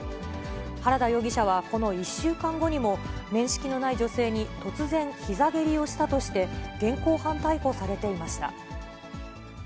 原田容疑者はこの１週間後にも、面識のない女性に突然ひざ蹴りをしたとして、現行犯逮捕されていました。